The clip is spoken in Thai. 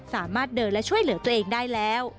สามารถเดินและช่วยเหลือตัวเองได้แล้ว